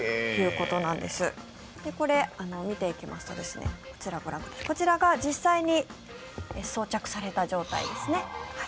これ、見ていきますとこちらが実際に装着された状態ですね。